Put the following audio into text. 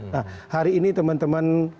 nah hari ini teman teman